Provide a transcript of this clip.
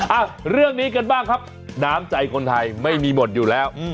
อ่ะเรื่องนี้กันบ้างครับน้ำใจคนไทยไม่มีหมดอยู่แล้ว